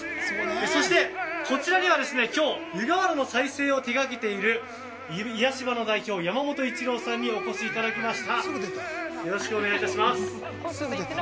そしてこちらには湯河原の再生を手がけている癒し場の代表、山本一郎さんにお越しいただきました。